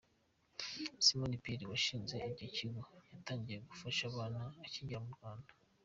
Simon Pierre washinze icyo kigo, yatangiye gufasha abana akigera mu Rwanda.